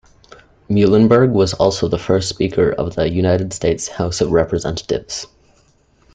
Muhlenberg was also the first Speaker of the United States House of Representatives.